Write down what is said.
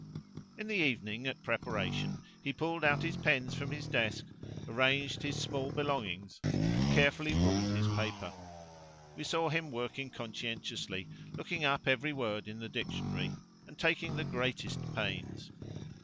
In the evening, at preparation, he pulled out his pens from his desk, arranged his small belongings, and carefully ruled his paper. We saw him working conscientiously, looking up every word in the dictionary, and taking the greatest pains.